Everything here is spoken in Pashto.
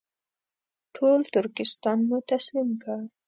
ټول ترکستان مو تسلیم کړ.